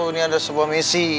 ini ada sebuah misi